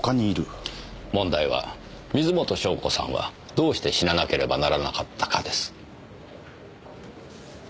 問題は水元湘子さんはどうして死ななければならなかったかです。